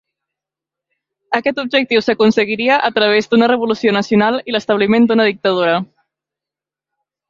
Aquest objectiu s'aconseguiria a través d'una revolució nacional i l'establiment d'una dictadura.